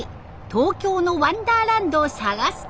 東京のワンダーランドを探す旅。